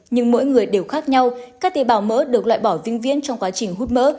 nhưng mỗi người đều khác nhau các tế bào mỡ được loại bỏ vinh viên trong quá trình hút mỡ